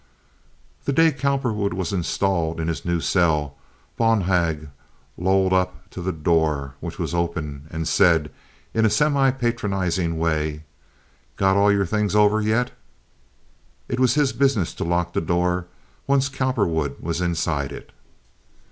The day Cowperwood was installed in his new cell, Bonhag lolled up to the door, which was open, and said, in a semi patronizing way, "Got all your things over yet?" It was his business to lock the door once Cowperwood was inside it.